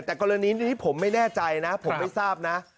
แต่กรณีนี้ผมไม่แน่ใจนะผมไม่ทราบนะ